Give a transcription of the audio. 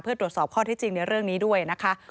เพื่อตรวจสอบข้อที่จริงในเรื่องนี้ด้วยนะคะ